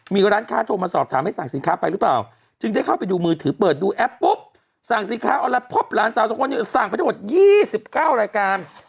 มีร้านค้าโทรมาสอบถามให้สั่งสินค้าไปหรือเปล่าจึงได้เข้าไปดูมือถือเปิดดูแอปปุ๊บสั่งสินค้าออนไลน์พบหลานสาวสองคนเนี่ยสั่งไปทั้งหมด๒๙รายการ